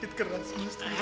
udah mas mas mas